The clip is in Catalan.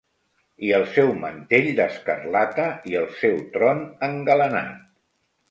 I el seu mantell d'escarlata, i el seu tron engalanat.